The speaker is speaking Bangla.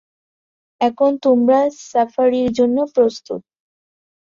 এখন তোমরা সাফারির জন্য প্রস্তুত।